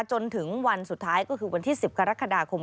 จนถึงวันสุดท้ายก็คือวันที่๑๐กรกฎาคม